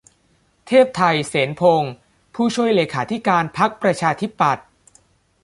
เทพไท เสนพงศ์ ผู้ช่วยเลขาธิการพรรคประชาธิปัตย์